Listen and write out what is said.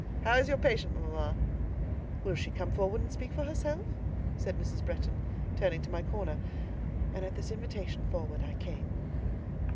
How is your patient, mamma?" "Will she come forward and speak for herself?" said Mrs. Bretton, turning to my corner; and at this invitation, forward I came.